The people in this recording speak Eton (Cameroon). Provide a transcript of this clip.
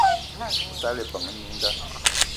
O tala ebeng minga